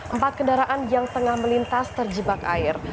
empat kendaraan yang tengah melintas terjebak air